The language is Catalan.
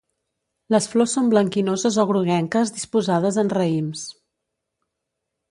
Les flors són blanquinoses o groguenques disposades en raïms.